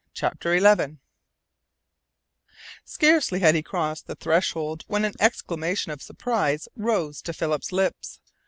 CHAPTER ELEVEN Scarcely had he crossed the threshold when an exclamation of surprise rose to Philip's lips.